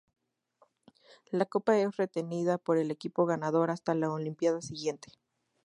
La copa es retenida por el equipo ganador hasta la Olimpiada siguiente.